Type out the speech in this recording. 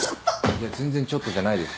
いや全然ちょっとじゃないです。